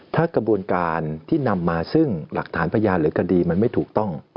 ถ้ากระบวนการที่นำมาซึ่งหลักฐานพยานหรือคดีมันไม่ถูกต้อง